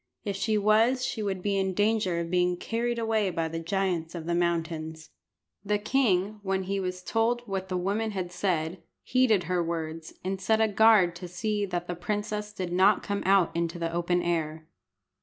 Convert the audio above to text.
If she was she would be in danger of being carried away by the giants of the mountains. The king, when he was told what the woman had said, heeded her words, and set a guard to see that the princess did not come out into the open air.